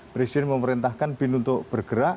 presiden memerintahkan bin untuk bergerak